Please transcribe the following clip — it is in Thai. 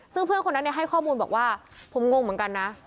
ซึ่งเพื่อนคนนั้นให้ข้อมูลบอกว่าผมงงเหมือนกันนะ